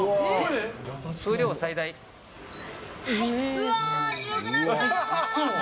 うわー、強くなった。